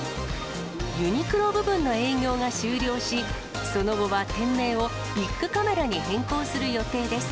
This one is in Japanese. ユニクロ部分の営業が終了し、その後は店名をビックカメラに変更する予定です。